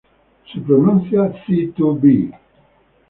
Se pronuncia ciː.tuː.biː.